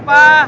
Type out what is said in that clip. lo kenapa sih